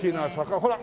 ほら！